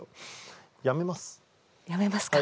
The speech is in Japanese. やめますか？